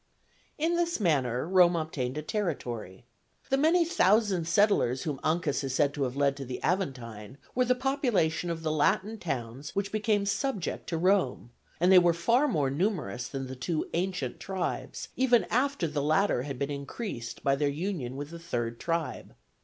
In this manner Rome obtained a territory. The many thousand settlers whom Ancus is said to have led to the Aventine were the population of the Latin towns which became subject to Rome, and they were far more numerous than the two ancient tribes, even after the latter had been increased by their union with the third tribe.